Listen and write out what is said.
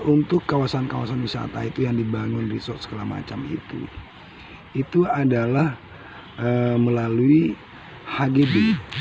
untuk kawasan kawasan wisata itu yang dibangun resort segala macam itu itu adalah melalui hgb